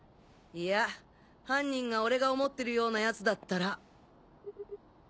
いや犯人が俺が思ってるようなヤツだったら。